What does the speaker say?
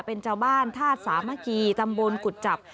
เป็นชาวบ้านธาตุสามัคคีตำบลกุจจับ